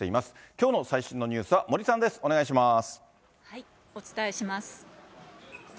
きょうの最新のニュースは森さんお伝えします。